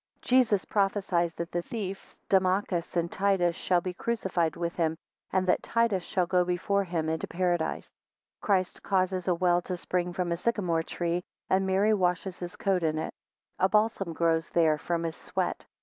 6 Jesus prophecies that the thieves Dumachus and Titus shall be crucified with him and that Titus shall go before him into paradise. 10 Christ causes a well to spring from a sycamore tree, and Mary washes his coat in it. 11 A balsam grows there from his sweat.